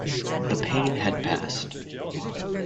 The pain had passed.